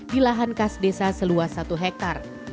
di lahan khas desa seluas satu hektare